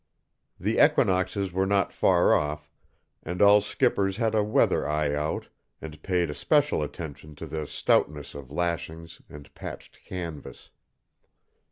The equinoxes were not far off, and all skippers had a weather eye out, and paid especial attention to the stoutness of lashings and patched canvas.